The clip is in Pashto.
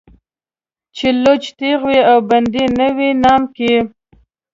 چې لوڅ تېغ وي او بندي نه وي نيام کې